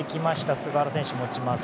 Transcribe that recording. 菅原選手が持ちます。